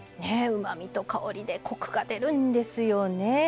うまみと香りでコクが出るんですよね。